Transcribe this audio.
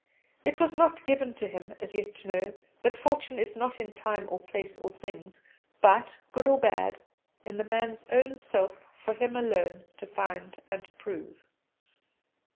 It was not given to him as yet to know that fortune is not in time or place or things; but, good or bad, in the man's own self for him alone to find and prove.